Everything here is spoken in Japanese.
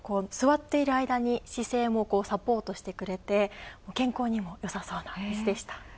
座っている間に姿勢もサポートしてくれて、健康にもよさそうな椅子でした。